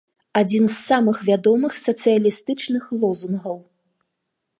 Адзін з самых вядомых сацыялістычных лозунгаў.